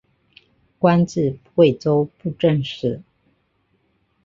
官至贵州布政使。